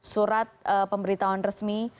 surat pemberitahuan resmi